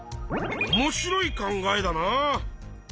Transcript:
おもしろい考えだな。